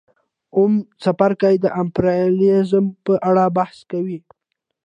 اووم څپرکی د امپریالیزم په اړه بحث کوي